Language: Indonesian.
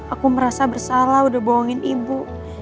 aku merasa bersalah udah bohongin ibu